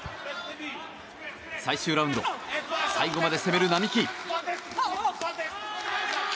最終ラウンド最後まで攻める並木。